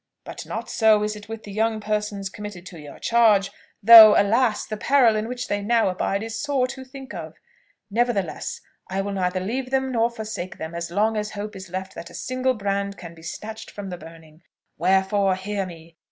But not so is it with the young persons committed to your charge; though, alas! the peril in which they now abide is sore to think of. Nevertheless, I will neither leave them nor forsake them as long as hope is left that a single brand can be snatched from the burning. Wherefore hear me!